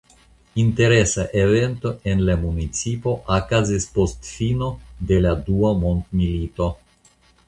Interesa evento en la municipo okazis post fino de la dua mondmilito.